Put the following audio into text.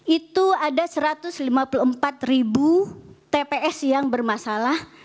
itu ada satu ratus lima puluh empat ribu tps yang bermasalah